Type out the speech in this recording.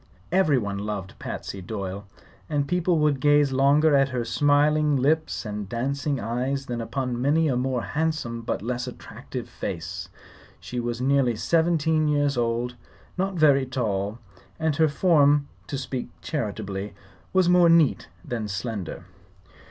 Everyone loved Patsy Doyle, and people would gaze longer at her smiling lips and dancing eyes than upon many a more handsome but less attractive face. She was nearly seventeen years old, not very tall, and her form, to speak charitably, was more neat than slender.